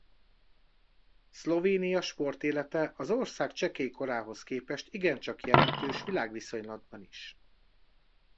Szlovénia sportélete az ország csekély korához képest igencsak jelentős világviszonylatban is.